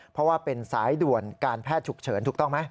เพราะว่าเป็นสายด่วนการแพทย์ฉุกเฉินถูกต้องไหม